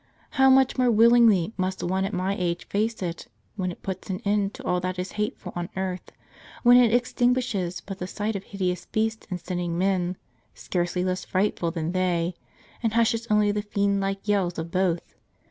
How much more willingly must one at my age face it, when it puts an end to all that is hateful on earth, when it extinguishes but the sight of hideous beasts and sinning men, scarcely less frightful than they, and hushes only the fiend like yells of both